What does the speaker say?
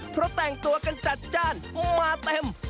เพราะแต่งตัวกันจัดจ้านมาเต็ม